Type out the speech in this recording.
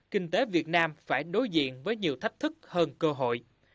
kinh tế việt nam phải đối diện với nhiều thách thức hơn cơ hội